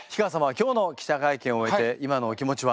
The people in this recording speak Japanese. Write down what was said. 今日の記者会見を終えて今のお気持ちは？